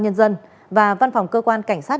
nhân dân và văn phòng cơ quan cảnh sát